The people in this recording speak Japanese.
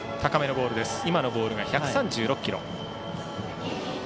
今のボールが１３６キロ。